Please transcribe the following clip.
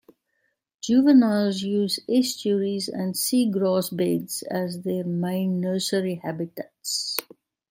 Juveniles use estuaries and seagrass beds as their main nursery habitats.